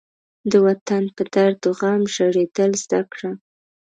د وطن په درد و غم ژړېدل زده کړه.